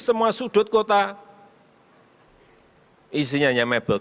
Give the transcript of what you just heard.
semua sudut kota isinya hanya mebel